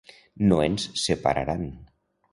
No ens separaran.